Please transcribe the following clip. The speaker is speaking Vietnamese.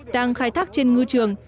đang khai thác trên ngư trường